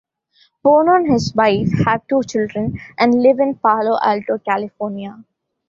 Bono and his wife have two children, and live in Palo Alto, California.